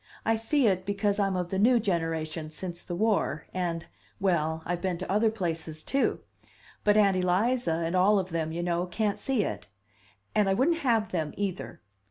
I see it, because I'm of the new generation, since the war, and well, I've been to other places, too. But Aunt Eliza, and all of them, you know, can't see it. And I wouldn't have them, either!